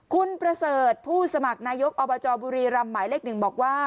คุณประเสริฐผู้สมัครนายกอบจบุรีรำหมายเลข๑บอกว่า